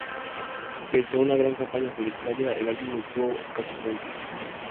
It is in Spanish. Pese a una gran campaña publicitaria, el álbum obtuvo escasas ventas.